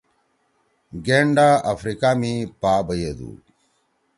گینڈا افریقا می پا بیَدُو۔